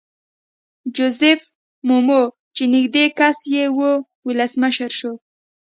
جوزیف مومو چې نږدې کس یې وو ولسمشر شو.